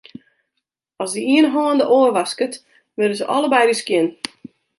As de iene hân de oar wasket, wurde se allebeide skjin.